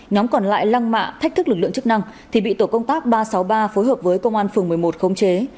nhóm còn lại lăng mạ thách thức lực lượng chức năng thì bị tổ công tác ba trăm sáu mươi ba phối hợp với công an phường một mươi một khống chế